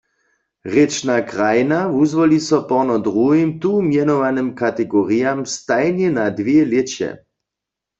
Rěčna krajina wuzwoli so porno druhim tu mjenowanym kategorijam stajnje na dwě lěće.